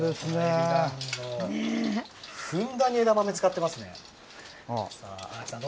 ふんだんに枝豆使ってます。